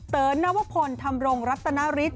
เติร์นนวพลธรรมรงค์รัตนาริสต์